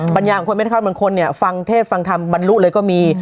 ปัญญาของคนแม่ท้าเขาเป็นคนฟังเทศฟังธรรมบรรลู้เลยก็มี